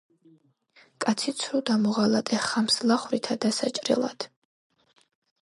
კაცი ცრუ და მოღალატე ხამს ლახვრითა დასაჭრელად